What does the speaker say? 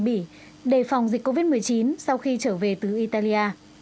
bỉ đề phòng dịch covid một mươi chín sau khi trở về từ italia